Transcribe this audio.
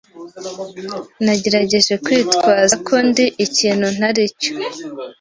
Nagerageje kwitwaza ko ndi ikintu ntari cyo.